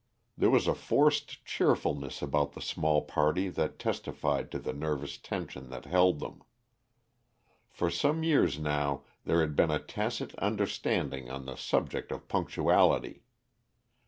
There was a forced cheerfulness about the small party that testified to the nervous tension that held them. For some years now there had been a tacit understanding on the subject of punctuality.